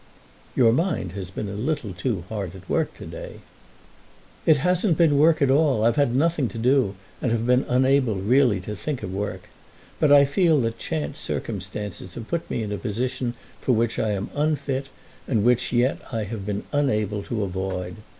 "Your mind has been a little too hard at work to day." "It hasn't been at work at all. I've had nothing to do, and have been unable really to think of work. But I feel that chance circumstances have put me into a position for which I am unfit, and which yet I have been unable to avoid.